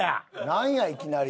なんやいきなり。